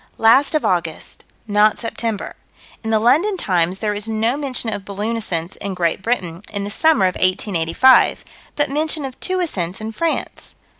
Last of August: not September. In the London Times there is no mention of balloon ascents in Great Britain, in the summer of 1885, but mention of two ascents in France.